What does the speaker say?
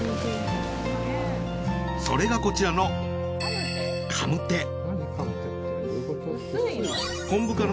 それがこちらのカムテ。